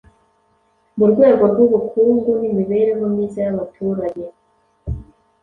Mu rwego rw'ubukungu n'imibereho myiza y'abaturage.